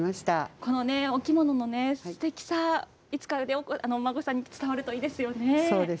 このね、お着物の素敵さ、いつかお孫さんに伝わるといいですよね。